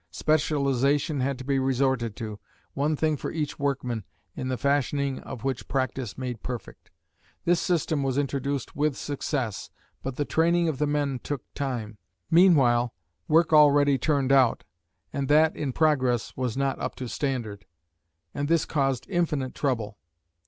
Specialisation had to be resorted to one thing for each workman, in the fashioning of which practice made perfect. This system was introduced with success, but the training of the men took time. Meanwhile work already turned out and that in progress was not up to standard, and this caused infinite trouble.